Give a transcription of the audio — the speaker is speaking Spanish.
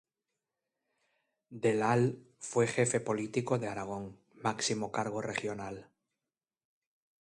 Del al fue jefe político de Aragón, máximo cargo regional.